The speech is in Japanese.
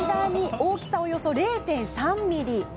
大きさはおよそ０．３ｍｍ。